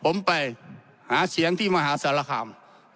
ผมไปหาเสียงที่มหาสารคาม